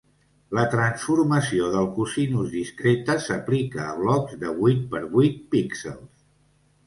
La transformació del cosinus discreta s'aplica a blocs de vuit per vuit píxels.